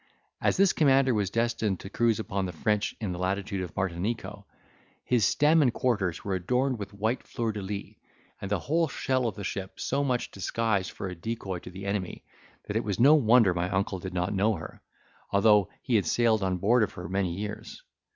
As this commander was destined to cruise upon the French in the latitude of Martinico, his stem and quarters were adorned with white fleurs de lis, and the whole shell of the ship so much disguised for a decoy to the enemy, that it was no wonder my uncle did not know her, although he had sailed on board of her many years.